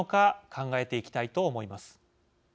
考えていきたいと思います。